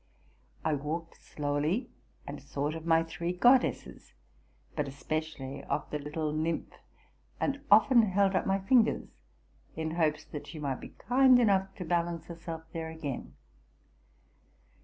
I walked slowly, and thought of my three goddesses, but especially of the little nymph, and often held up my fingers in hopes she might be kind enough to balance herself there again.